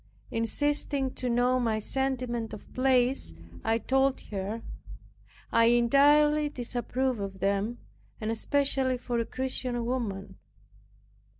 Insisting to know my sentiment of plays, I told her, I entirely disapproved of them, and especially for a Christian woman.